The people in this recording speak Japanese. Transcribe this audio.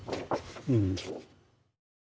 うん。